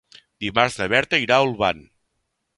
Dimarts na Berta irà a Olvan.